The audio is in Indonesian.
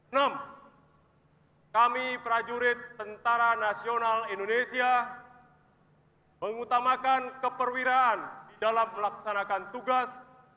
enam kami prajurit tentara nasional indonesia mengutamakan keperwiraan di dalam melaksanakan tugas